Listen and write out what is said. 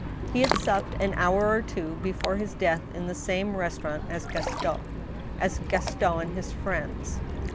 He had supped an hour or two before his death in the same restaurant as Gaston, ... as Gaston and his friends."